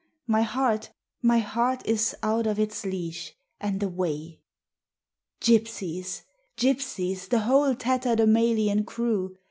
my heart, my heart Is out of its leash, and away. Gypsies, gypsies, the whole Tatterdemalion crew!